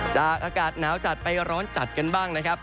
อากาศหนาวจัดไปร้อนจัดกันบ้างนะครับ